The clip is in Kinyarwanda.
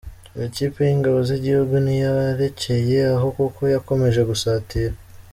Iyi kipe y’ingabo z’igihugu ntiyarekeye aho kuko yakomeje gusatira.